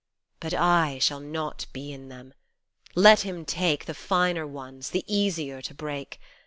But I shall not be in them. Let Him take The finer ones, the easier to break.